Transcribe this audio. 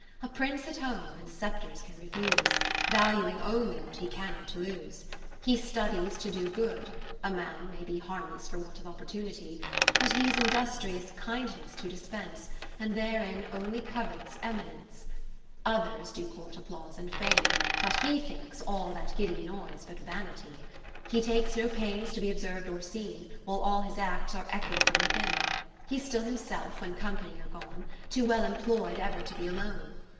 A Prince at home, and sceptres can refuse ; Valuing only what he cannot lose. He studies to do good ; (a man may be Harmless for want of opportunity :) But he 's industrious kindness to dispense, 31 And therein only covets eminence. Kath eri7te Philips Others do court applause and fame, but he Thinks all that giddy noise but Vanity. He takes no pains to be observ'd or seen, While all his acts are echoed from within. He 's still himself, when company are gone. Too well employ'd ever to be alone.